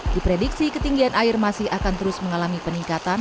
di prediksi ketinggian air masih akan terus mengalami peningkatan